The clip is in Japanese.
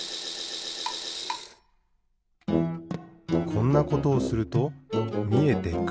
こんなことをするとみえてくる。